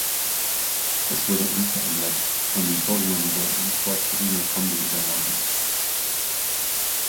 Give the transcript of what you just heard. Es wurde unverändert von dem Vorgängermodell, dem Ford Torino Kombi, übernommen.